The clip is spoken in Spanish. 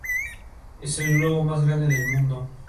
Alcaldía Municipal de Santa Rosa de Osos.